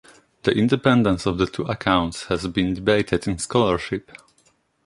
The independence of the two accounts has been debated in scholarship.